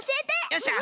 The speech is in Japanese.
よっしゃ。